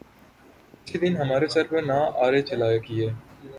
کس دن ہمارے سر پہ نہ آرے چلا کیے